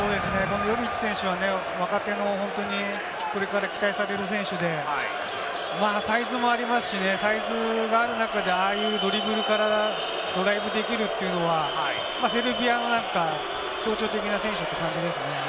ヨビッチ選手は若手のこれから期待される選手でサイズもありますし、サイズがある中で、ああいうドリブルからドライブできるというのは、セルビアなんかは象徴的な選手って感じですね。